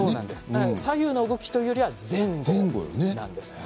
左右の動きというよりは前後なんです。